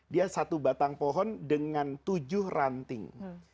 dia satu batang pohon dengan tujuh ranting